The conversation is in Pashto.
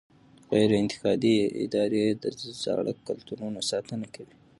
غیر انتفاعي ادارې د زاړه کلتورونو ساتنه کوي.